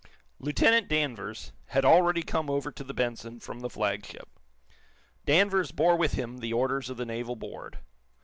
Lieutenant Danvers had already come over to the "Benson" from the flagship. Danvers bore with him the orders of the naval board.